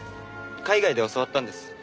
海外で教わったんです。